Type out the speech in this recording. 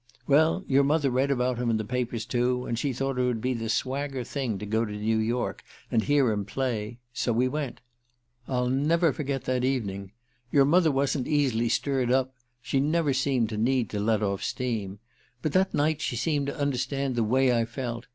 Well, your mother read about him in the papers too, and she thought it'd be the swagger thing to go to New York and hear him play so we went... I'll never forget that evening. Your mother wasn't easily stirred up she never seemed to need to let off steam. But that night she seemed to understand the way I felt.